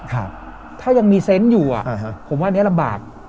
ถ้ายังมีเซนต์อยู่อ่ะอ่าฮะผมว่าอันนี้ลำบาก